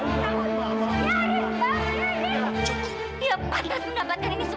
pada mikir dia beriiiii